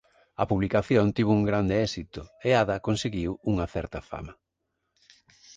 A publicación tivo un grande éxito e Ada conseguiu unha certa fama.